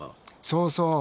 そうそう。